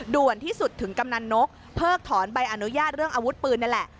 ด่วนที่สุดถึงกำนันนกเพิกถอนใบอนุญาตเรื่องอาวุธปืนนี่แหละ